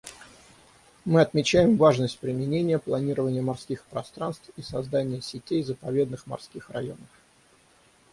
Мы отмечаем важность применения планирования морских пространств и создания сетей заповедных морских районов.